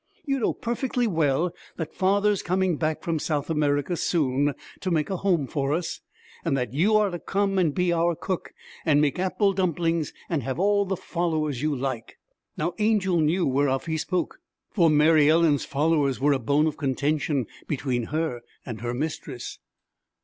'You know perfectly well that father's coming back from South America soon to make a home for us, and that you are to come and be our cook, and make apple dumplings, and have all the followers you like.' Now Angel knew whereof he spoke, for Mary Ellen's 'followers' were a bone of contention between her and her mistress.